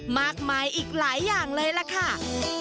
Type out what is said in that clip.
มากมายอีกหลายอย่างเลยล่ะค่ะ